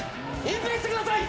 隠蔽してください！